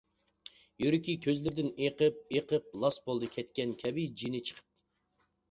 يۈرىكى كۆزلىرىدىن ئېقىپ-ئېقىپ، لاس بولدى كەتكەن كەبى جېنى چىقىپ.